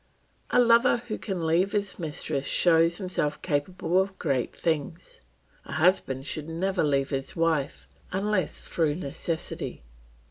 A lover who can leave his mistress shows himself capable of great things; a husband should never leave his wife unless through necessity.